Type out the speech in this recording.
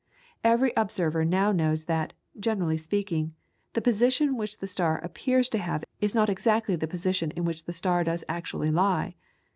Every observer now knows that, generally speaking, the position which the star appears to have is not exactly the position in which the star does actually lie.